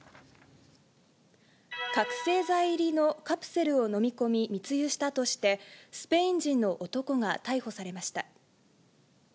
覚醒剤入りのカプセルを飲み込み、密輸したとして、スペイン人の男が逮捕されました。